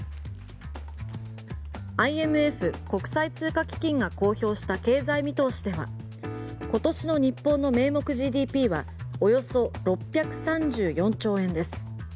ＩＭＦ・国際通貨基金が公表した経済見通しでは今年の日本の名目ＧＤＰはおよそ６３４兆円です。